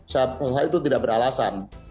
saya itu tidak beralasan